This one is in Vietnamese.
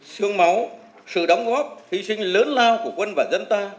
sương máu sự đóng góp hy sinh lớn lao của quân và dân ta